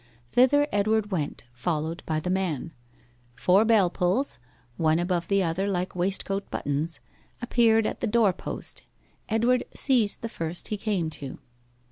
Thither Edward went, followed by the man. Four bell pulls, one above the other like waistcoat buttons, appeared on the door post. Edward seized the first he came to.